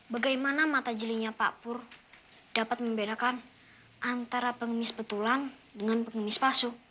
bagaimana mata jelinya pak pur dapat membedakan antara pengemis betulan dengan pengemis palsu